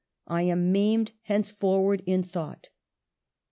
I am maimed henceforward in thought."